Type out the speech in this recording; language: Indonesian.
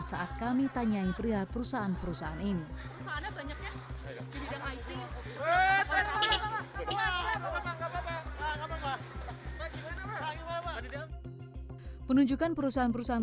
sekretaris jenderal kementerian sosial hartono laras pun mengatakan